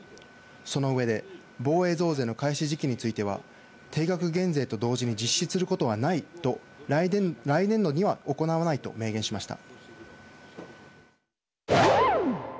その上で、防衛増税の開始時期については、定額減税と同時に実施することはないと、来年度には行わないと明言しました。